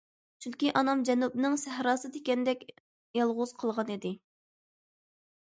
چۈنكى، ئانام جەنۇبنىڭ سەھراسىدا تىكەندەك يالغۇز قالغان ئىدى.